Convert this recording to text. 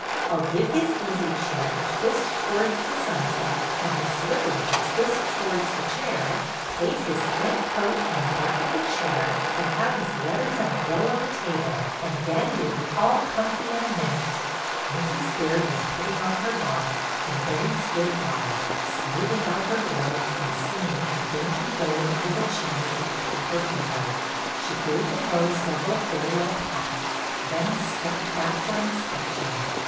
I 'll give his easy chair a twist towards the sunset and his slippers a twist towards the chair, place his thin coat on the back of the chair, and have his letters in a row on the table, and Daddy will be all comfy in a minute." Mrs. Baird was putting on her bonnet, and Betty stood by, smoothing out her gloves and seeing that the dainty bow under the chin was at the proper angle. She gave the bow several farewell pats, then stepped back for inspection.